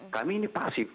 kami ini pasif